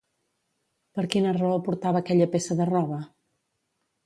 Per quina raó portava aquella peça de roba?